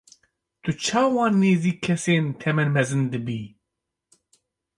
Tu çawa nêzî kesên temenmezin dibî?